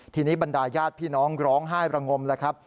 ทีนี้บรรดาญาติพี่น้องร้องไห้ประงมแล้วครับ